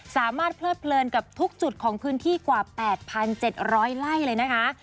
เลิดเพลินกับทุกจุดของพื้นที่กว่า๘๗๐๐ไร่เลยนะคะ